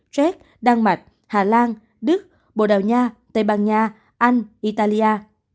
séc đan mạch hà lan đức bồ đào nha tây ban nha anh italia